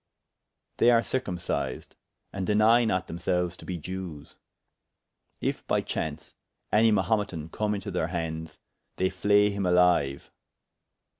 [FN#8] They are circumcised, and deny not themselues to be Jewes. If by chaunce, any Mahumetan come into their handes, they flay him alyue.